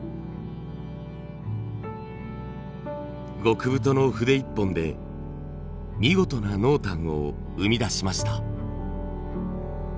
極太の筆一本で見事な濃淡を生み出しました。